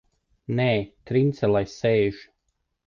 Nē, Trince lai sēž!